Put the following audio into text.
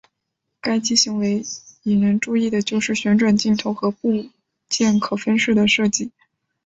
该机型最为引人注意的就是旋转镜头和部件可分式的设计。